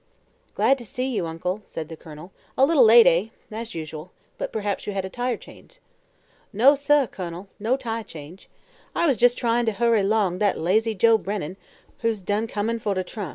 "Glad to see you, Uncle," said the Colonel. "A little late, eh? as usual. But perhaps you had a tire change." "No, seh, Kun'l, no tire change. I was jus' tryin' to hurry 'long dat lazy Joe Brennan, who's done comin' foh de trunks.